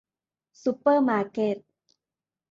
ซุปเปอร์มาร์เก็ต